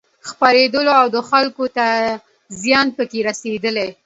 خپرېدو او دخلکو ته زيان پکې رسېدل